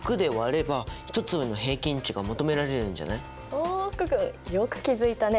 お福君よく気付いたね。